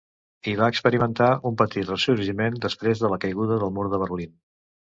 I va experimentar un petit ressorgiment després de la caiguda del mur de Berlín.